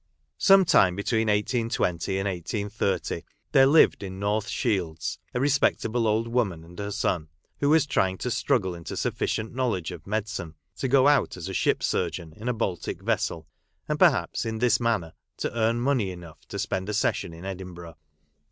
Some time between 1820 and 1830, there lived in North Shields a respectable old woman and her son, who was trying to struggle into sufficient knowledge of medicine to go out as ship surgeon in a Baltic vessel, and perhaps in this manner to earn money enough to spend a session in Edinburgh.